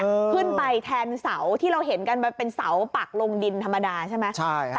ขึ้นไปแทนเสาที่เราเห็นกันมันเป็นเสาปักลงดินธรรมดาใช่ไหมใช่ฮะ